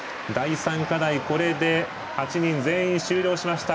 これで８人全員終了しました。